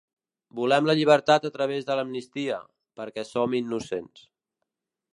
Volem la llibertat a través de l'amnistia, perquè som innocents.